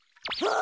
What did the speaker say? あ？